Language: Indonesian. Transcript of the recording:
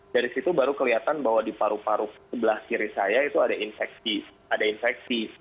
dari situ baru kelihatan bahwa di paru paru sebelah kiri saya itu ada infeksi ada infeksi